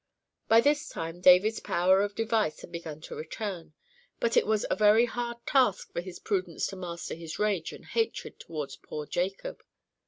By this time David's power of device had begun to return, but it was a very hard task for his prudence to master his rage and hatred towards poor Jacob.